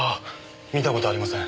見た事ありません。